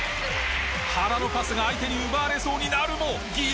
原のパスが相手に奪われそうになるも。